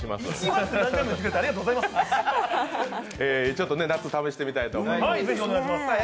ちょっと夏試してみたいと思います。